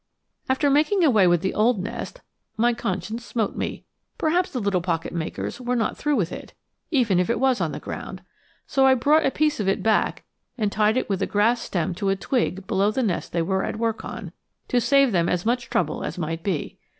After making away with the old nest, my conscience smote me. Perhaps the little pocket makers were not through with it, even if it was on the ground; so I brought a piece of it back and tied it with a grass stem to a twig below the nest they were at work on, to save them as much trouble as might be.